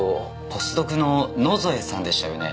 ポスドクの野添さんでしたよね？